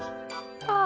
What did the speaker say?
ああ。